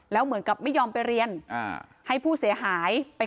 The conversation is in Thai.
แล้วเหมือนกับไม่ยอมไปเรียนให้ผู้เสียหายไป